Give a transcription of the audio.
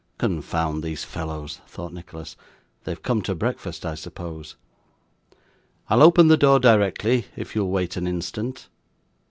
'Confound these fellows!' thought Nicholas; 'they have come to breakfast, I suppose. I'll open the door directly, if you'll wait an instant.